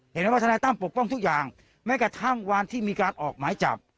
เห็นไหมว่าทนายตั้มปกป้องทุกอย่างแม้กระทั่งวันที่มีการออกหมายจับ